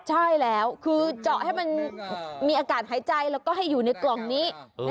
ใช่แล้วคือเจาะให้มันมีอากาศหายใจแล้วก็ให้อยู่ในกล่องนี้